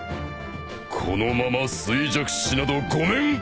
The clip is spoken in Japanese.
このまま衰弱死などごめん被る！